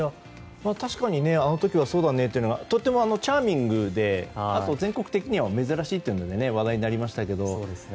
確かにあの時はそだねーというのがとってもチャーミングであと全国的には珍しいというので話題になりましたが。